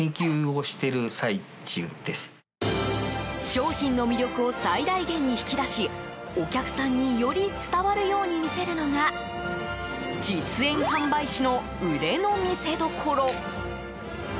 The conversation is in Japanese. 商品の魅力を最大限に引き出しお客さんにより伝わるように見せるのが実演販売士の腕の見せ所。